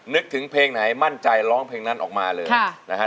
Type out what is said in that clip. นึกถึงเพลงไหนมั่นใจร้องเพลงนั้นออกมาเลยนะฮะ